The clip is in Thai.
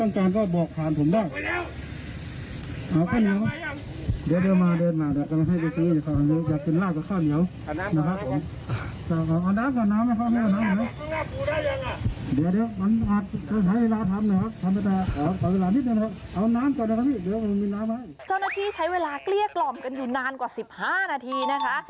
เจ้าหน้าที่ใช้เวลาเกลี้ยกล่อมกันอยู่นานกว่า๑๕นาทีนะคะ